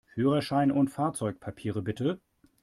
Führerschein und Fahrzeugpapiere, bitte!